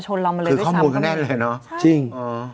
จริง